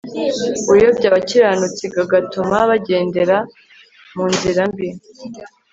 Uyobya abakiranutsi gagatuma bagendera mu nzira mbi